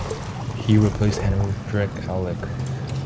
He replaced Hendrik Allik.